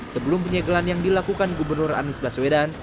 sebelum penyegelan yang dilakukan gubernur anies baswedan